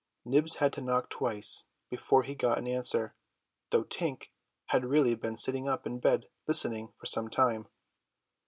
Nibs had to knock twice before he got an answer, though Tink had really been sitting up in bed listening for some time.